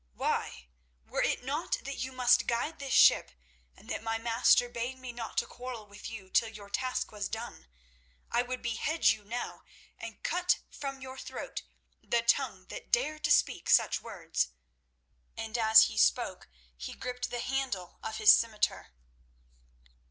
Why, were it not that you must guide this ship, and that my master bade me not to quarrel with you till your task was done, I would behead you now and cut from your throat the tongue that dared to speak such words," and as he spoke he gripped the handle of his scimitar.